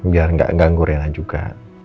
biar gak ganggu rena juga